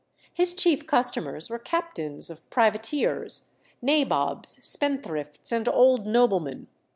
His chief customers were captains of privateers, nabobs, spendthrifts, and old noblemen.